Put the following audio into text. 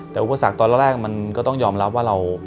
แต่อุปสรรคตอนแรกมันก็ต้องยอมรับว่าเรา